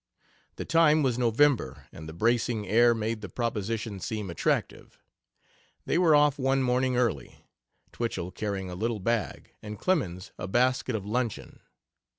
The time was November, and the bracing air made the proposition seem attractive. They were off one morning early, Twichell carrying a little bag, and Clemens a basket of luncheon.